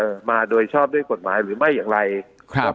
มาโดยชอบด้วยกฎหมายหรือไม่อย่างไรครับ